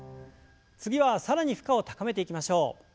次は更に負荷を高めていきましょう。